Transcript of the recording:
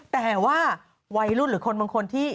แต่ว่าวัยรุ่นหรือคนบางคนที่